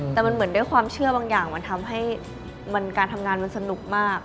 แต่มันเหมือนด้วยความเชื่อบางอย่างมันทำให้การทำงานมันสนุกมาก